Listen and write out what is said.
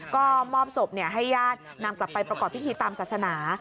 ก็มอบศพให้ญาตินำกลับไปประกอบพิธีตามศาสนา